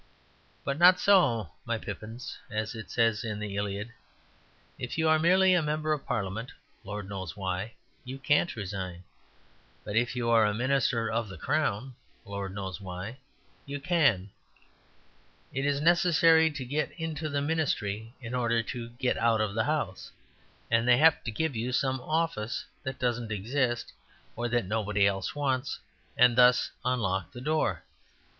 But not so, my pippins, as it says in the "Iliad." If you are merely a member of Parliament (Lord knows why) you can't resign. But if you are a Minister of the Crown (Lord knows why) you can. It is necessary to get into the Ministry in order to get out of the House; and they have to give you some office that doesn't exist or that nobody else wants and thus unlock the door.